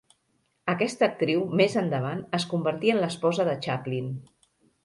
Aquesta actriu més endavant es convertí en l’esposa de Chaplin.